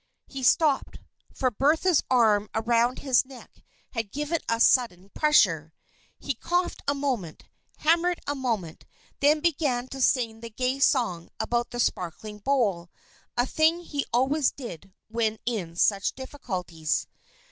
He stopped; for Bertha's arm around his neck had given a sudden pressure. He coughed a moment; hammered a moment; then began to sing the gay song about the sparkling bowl, a thing he always did when in such difficulties.